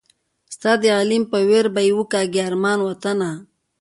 ستا د غلیم په ویر به وکاږي ارمان وطنه